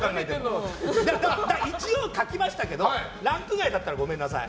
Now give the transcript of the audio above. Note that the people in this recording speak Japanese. だから一応、書きましたけどランク外だったらごめんなさい。